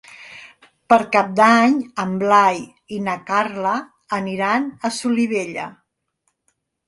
Per Cap d'Any en Blai i na Carla aniran a Solivella.